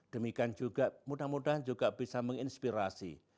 demikian juga mudah mudahan juga bisa menginspirasi